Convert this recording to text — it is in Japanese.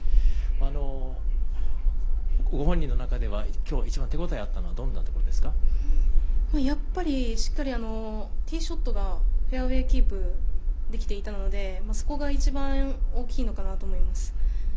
ご本人の中ではきょう、一番手応えがあったのはしっかりティーショットがフェアウエーキープできていたのでそこが一番大きいのかなと思います。